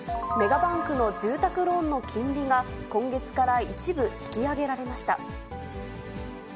メガバンクの住宅ローンの金利が今月から一部引き上げられました。